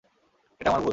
এটা আমার ভুল।